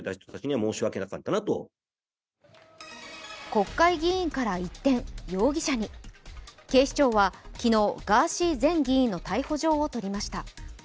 国会議員から一転、容疑者に警視庁は昨日、ガーシー前議員の逮捕状を取りました。